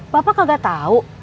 bapak gak tau